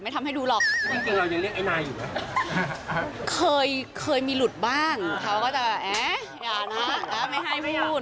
ไม่ให้พูดไม่อยากให้พูด